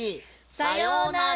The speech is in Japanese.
さようなら！